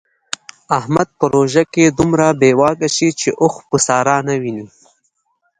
احمد په روژه کې دومره بې واکه شي چې اوښ په ساره نه ویني.